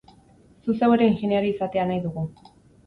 Zu zeu ere ingeniari izatea nahi dugu!